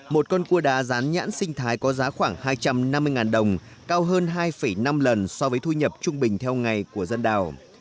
một con cua đá rán nhãn sinh thái có giá khoảng hai trăm năm mươi đồng cao hơn hai năm lần so với thu nhập trung bình theo ngày của dân đào